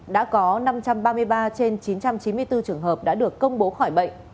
đã có năm trăm ba mươi ba trên chín trăm chín mươi bốn trường hợp đã được công bố khỏi bệnh